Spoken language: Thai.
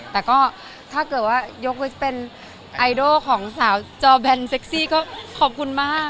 แต่ก็ถ้าเกิดว่ายกวิเป็นไอดอลของสาวจอแบลนด์ครอบคุณมาก